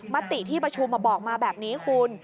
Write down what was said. มติที่ประชุมบอกมาแบบนี้คุณ